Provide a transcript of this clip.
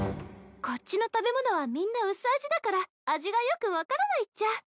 こっちの食べ物はみんな薄味だから味がよく分からないっちゃ。